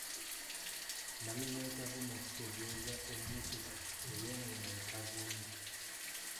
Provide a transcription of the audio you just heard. Nnamimwa etavuuma kitegeeza ennukuta ey'omumwa etavuuma.